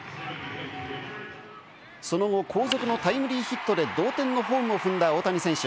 その後、後続のタイムリーヒットで同点のホームを踏んだ大谷選手。